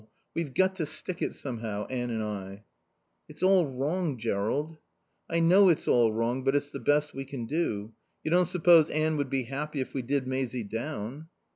We've got to stick it somehow, Anne and I." "It's all wrong, Jerrold." "I know it's all wrong. But it's the best we can do. You don't suppose Anne would be happy if we did Maisie down."